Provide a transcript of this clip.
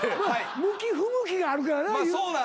向き不向きがあるからな。